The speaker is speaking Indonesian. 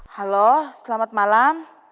halo selamat malam